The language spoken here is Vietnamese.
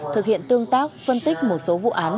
thực hiện tương tác phân tích một số vụ án